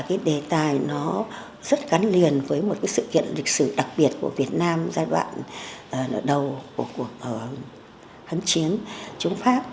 nền tài nó rất gắn liền với một sự kiện lịch sử đặc biệt của việt nam giai đoạn đầu của cuộc kháng chiến chống pháp